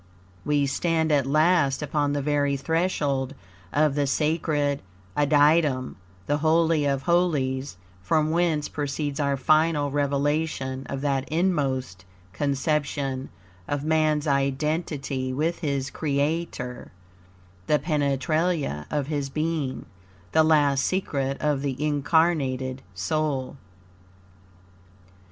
We stand at last upon the very threshold of the sacred Adytum, the "Holy of Holies," from whence proceeds our final revelation of that inmost conception of Man's identity with his Creator the Penetralia of his Being the last secret of the incarnated soul.